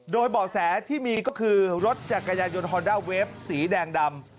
โดยบ่อแสที่มีก็คือรถจากกายนยนต์ฮอร์ด่าเวฟสีแดงดำ